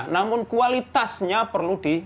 namun kualitasnya perlu diperlukan